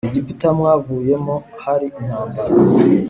Egiputa mwavuyemo hari intambara